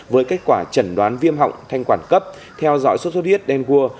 với kết quả chẩn đoán viêm họng thanh quản cấp theo dõi suốt suốt huyết đen cua